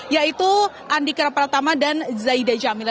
yaitu andika pratama dan zaida jamila